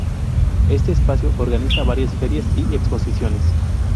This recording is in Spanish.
Este espacio organiza varias ferias y exposiciones.